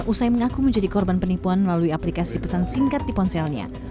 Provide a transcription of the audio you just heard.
usai mengaku menjadi korban penipuan melalui aplikasi pesan singkat di ponselnya